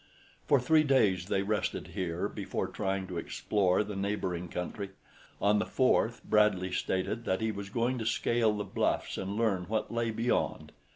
For three days they rested here before trying to explore the neighboring country. On the fourth, Bradley stated that he was going to scale the bluffs and learn what lay beyond.